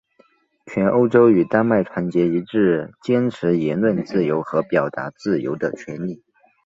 全欧洲与丹麦团结一致坚持言论自由和表达自由的权利。